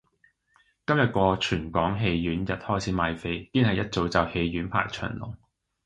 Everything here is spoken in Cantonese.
今日個全港戲院日開始賣飛，堅係一早就戲院排長龍